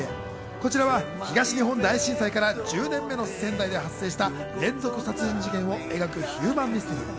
こちらは東日本大震災から１０年目の仙台で発生した連続殺人事件を描くヒューマンミステリー。